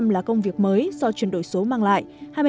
hai mươi sáu là công việc mới do chuyển đổi số mang lại